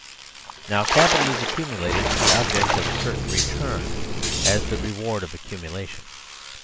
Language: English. Now capital is accumulated with the object of a certain return as the reward of accumulation.